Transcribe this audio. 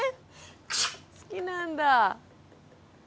好きなんだ。